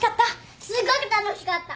すごく楽しかった。